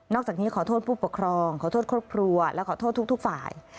จากนี้ขอโทษผู้ปกครองขอโทษครอบครัวและขอโทษทุกฝ่าย